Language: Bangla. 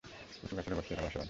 উঁচু গাছের গর্তে এরা বাসা বাঁধে।